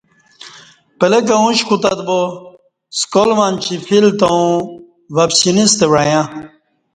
پلہ کہ اوش کوتت با سکال منچی فیل تہ اوں وپسینستہ وعیاں